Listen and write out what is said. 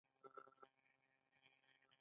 د مچیو ساتنه څومره ګټه لري؟